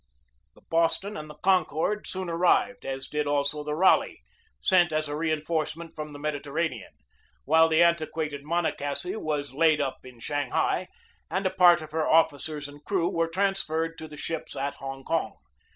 The Boston and the Concord soon arrived, as did also the Raleigh, sent as a reinforcement from the Mediterranean; while the antiquated Monocacy was laid up at Shanghai and a part of her officers and crew were transferred to the ships at Hong Kong.